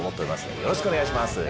よろしくお願いします。